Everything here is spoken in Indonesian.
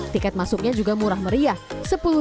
tiket masuknya juga murah meriah